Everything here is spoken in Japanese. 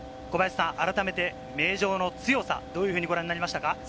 改めて名城の強さ、どういうふうにご覧になりましたか？